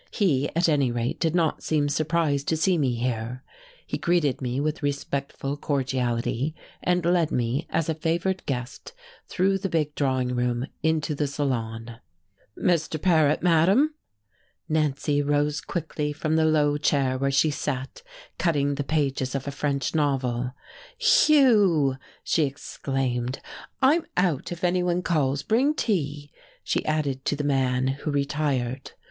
He, at any rate, did not seem surprised to see me here, he greeted me with respectful cordiality and led me, as a favoured guest, through the big drawing room into the salon. "Mr. Paret, Madam!" Nancy, rose quickly from the low chair where she sat cutting the pages of a French novel. "Hugh!" she exclaimed. "I'm out if anyone calls. Bring tea," she added to the man, who retired.